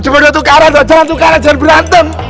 jangan tukaran jangan tukaran jangan berantem